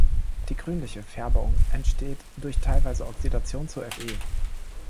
Die grünliche Färbung entsteht durch teilweise Oxidation zu Fe.